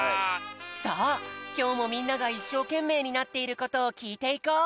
さあきょうもみんながいっしょうけんめいになっていることをきいていこう！